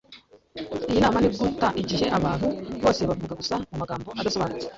Iyi nama ni uguta igihe. Abantu bose bavuga gusa mumagambo adasobanutse